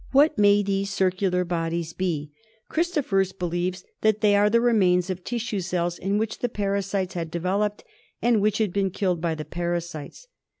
What may these circular bodies be ? Christophers believes that they are the remains of tissue cells in which the para sites had developed, and which had been killed by the parasites.